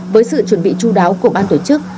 với sự chuẩn bị chú đáo của ban tổ chức